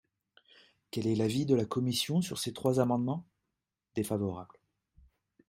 Quel est l’avis de la commission sur ces trois amendements ? Défavorable.